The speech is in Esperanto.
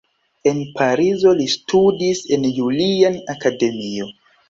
En Parizo li studis en "Julian Akademio".